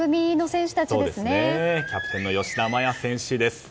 キャプテンの吉田麻也選手です。